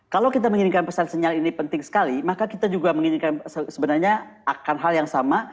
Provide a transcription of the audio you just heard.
kalau kita menginginkan pesan sinyal ini penting sekali maka kita juga menginginkan sebenarnya akan hal yang sama